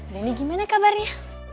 denny gimana kabarnya